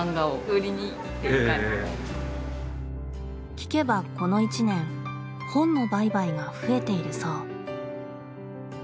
聞けばこの一年本の売買が増えているそう。